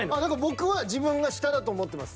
僕は自分が下だと思ってます。